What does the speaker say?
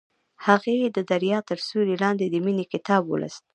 هغې د دریا تر سیوري لاندې د مینې کتاب ولوست.